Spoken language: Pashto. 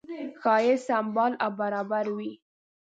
ښایست سمبال او برابر وي.